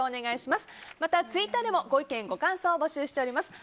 またツイッターでもご意見、ご感想を募集しています。